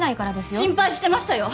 心配してましたよ！